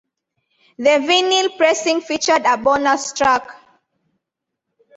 The vinyl pressing featured a bonus track.